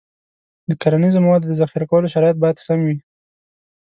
د کرنیزو موادو د ذخیره کولو شرایط باید سم وي.